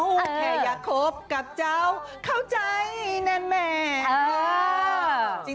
แค่อยากคบกับเจ้าเข้าใจแน่นแหม